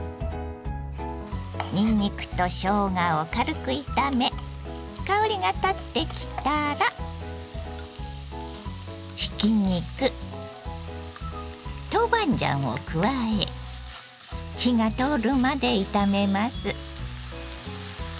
にんにくとしょうがを軽く炒め香りがたってきたらひき肉豆板醤を加え火が通るまで炒めます。